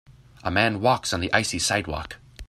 a man walks on the icy sidewalk.